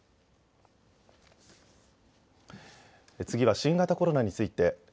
次は新型コロナについて。